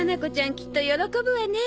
きっと喜ぶわね。